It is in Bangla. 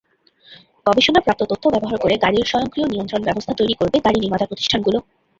গবেষণাপ্রাপ্ত তথ্য ব্যবহার করে গাড়ির স্বয়ংক্রিয় নিয়ন্ত্রণব্যবস্থা তৈরি করবে গাড়ি নির্মাতা প্রতিষ্ঠানগুলো।